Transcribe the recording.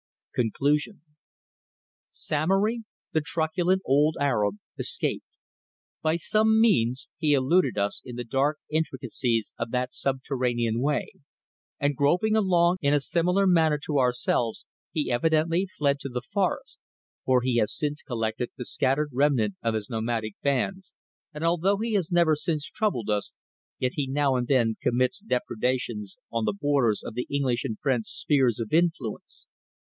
CONCLUSION. SAMORY, the truculent old Arab, escaped. By some means he eluded us in the dark intricacies of that subterranean way, and groping along in a similar manner to ourselves, he evidently fled to the forest, for he has since collected the scattered remnant of his nomadic bands, and although he has never since troubled us, yet he now and then commits depredations on the borders of the English and French spheres of influence.